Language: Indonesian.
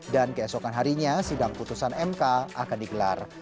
dan keesokan harinya sidang putusan mk akan digelar